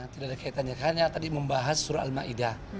tidak ada kaitannya hanya tadi membahas surat al ma'idah